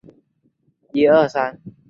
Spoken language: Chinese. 蒙克拉博。